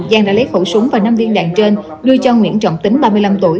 giang đã lấy khẩu súng và năm viên đạn trên đưa cho nguyễn trọng tính ba mươi năm tuổi